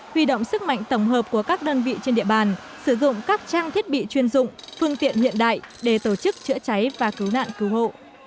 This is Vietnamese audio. huy động sức mạnh tổng hợp của các đơn vị trên địa bàn sử dụng các trang thiết bị chuyên dụng phương tiện hiện đại để tổ chức chữa cháy và cứu nạn cứu hộ